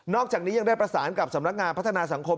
อกจากนี้ยังได้ประสานกับสำนักงานพัฒนาสังคม